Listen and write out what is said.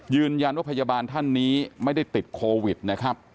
ยืนยันว่าพยาบาลท่านนี้ไม่ได้ติดโควิดนะครับ